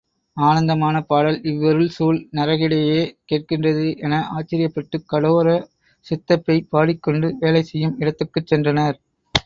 ஆனந்தமான பாடல் இவ்விருள்குழ், நரகிடையே கேட்கின்றதே என ஆச்சரியப்பட்டுக் கடோர சித்தப்பேய் பாடிக்கொண்டு வேலை செய்யும் இடத்துக்குச் சென்றனர்.